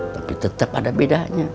tapi tetep ada bedanya